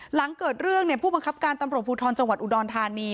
หลังเกิดเรื่องผู้บังคับการตำรวจภูทรจังหวัดอุดรธานี